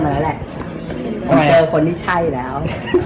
ผมเจอคนที่ใช่แล้ว